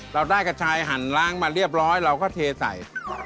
เราได้กระชายหันล้างมาเรียบร้อยเราก็เทใส่